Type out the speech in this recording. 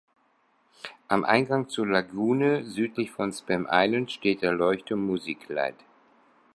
Am Eingang zur Lagune südlich von Spam Island steht der Leuchtturm "Musick Light".